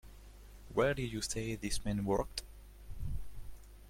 Where did you say this man worked?